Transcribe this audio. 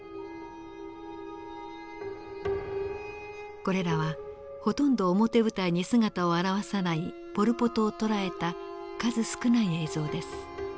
これらはほとんど表舞台に姿を現さないポル・ポトをとらえた数少ない映像です。